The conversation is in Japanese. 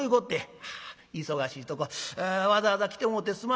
「忙しいとこわざわざ来てもうてすまなんだ。